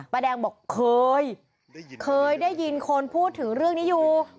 แดงบอกเคยเคยได้ยินคนพูดถึงเรื่องนี้อยู่